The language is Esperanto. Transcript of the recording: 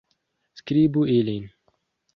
Skribu ilin.